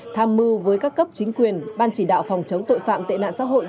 tham mưu với các cấp chính quyền ban chỉ đạo phòng chống tội phạm tệ nạn xã hội